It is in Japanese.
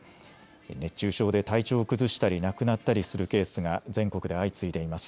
熱中症で体調を崩したり亡くなったりするケースが全国で相次いでいます。